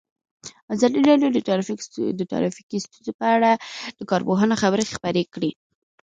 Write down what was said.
ازادي راډیو د ټرافیکي ستونزې په اړه د کارپوهانو خبرې خپرې کړي.